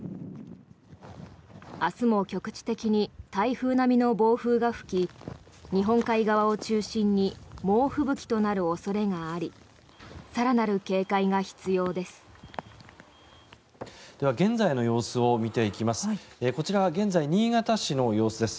明日も局地的に台風並みの暴風が吹き日本海側を中心に猛吹雪となる恐れがあり更なる警戒が必要です。